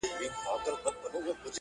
داسي تېر سو لکه خوب وي چا لېدلی -